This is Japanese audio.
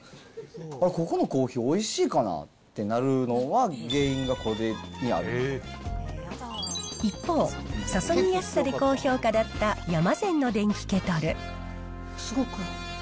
ここのコーヒー、おいしいかな？ってなるのは、原因がこれにある一方、注ぎやすさで高評価だった山善の電気ケトル。